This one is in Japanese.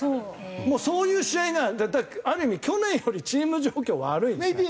もうそういう試合がだからある意味去年よりチーム状況悪いですね。